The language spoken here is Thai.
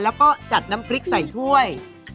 แล้วก็จัดน้ำพริกใส่ถ้วย